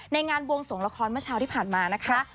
งานบวงสวงละครเมื่อเช้าที่ผ่านมานะคะ